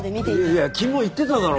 いや君も言ってただろう。